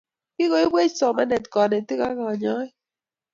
Kikoipwech somanet kanetik ak kanyoik